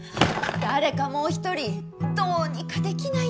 誰かもう一人どうにかできないんですか？